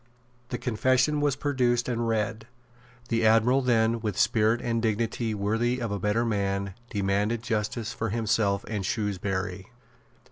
The confession was produced and read. The Admiral then, with spirit and dignity worthy of a better man, demanded justice for himself and Shrewsbury.